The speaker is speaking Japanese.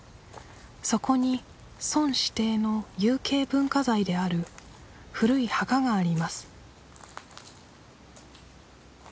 そこに村指定の有形文化財である古い墓があります